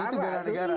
itu bela negara